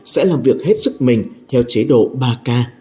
sẽ làm việc hết sức mình theo chế độ ba k